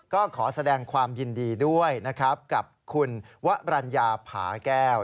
ก็ขอแสดงความยินดีด้วยนะครับกับคุณวรรณญาผาแก้ว